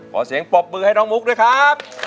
ขอเสียงปรบมือให้น้องมุกด้วยครับ